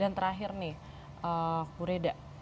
dan terakhir nih bu reda